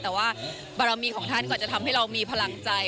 แต่ว่าบารมีของท่านก็จะทำให้เรามีพลังใจ